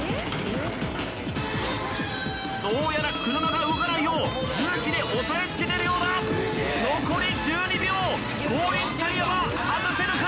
どうやら車が動かないよう重機で押さえつけてるようだ残り１２秒後輪タイヤは外せるか？